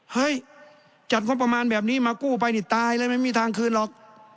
เฮ้ยจัดงบประมาณแบบนี้มากู้ไปนี่ตายเลยไม่มีทางคืนหรอก